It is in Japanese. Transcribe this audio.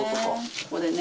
ここでね